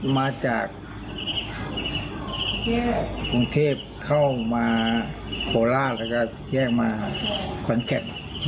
มาจากกรุงเทพเข้ามาโคราชแล้วก็แยกมาขอนแก่น